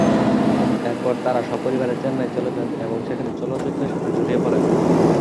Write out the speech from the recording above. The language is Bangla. এরপর তারা সপরিবারে চেন্নাই চলে যান এবং সেখানে চলচ্চিত্রের সাথে জড়িয়ে পড়েন।